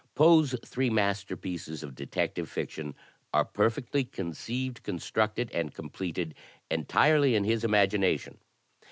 Poe's three masterpieces of detective fiction are perfectly conceived, constructed and completed, entirely in his im agination.